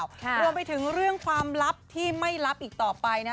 รวมไปถึงเรื่องความลับที่ไม่รับอีกต่อไปนะ